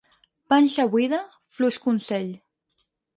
Panxa buida, fluix consell.